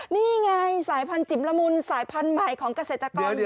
นี่ไงสายพันธจิ๋มละมุนสายพันธุ์ใหม่ของเกษตรกร